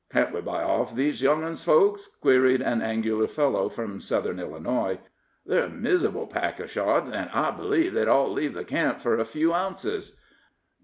"Can't we buy off these young uns' folks?" queried an angular fellow from Southern Illinois. "They're a mizzable pack of shotes, an' I b'leeve they'd all leave the camp fur a few ounces."